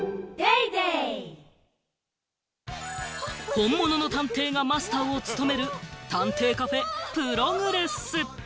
本物の探偵がマスターを務める探偵カフェ・プログレス。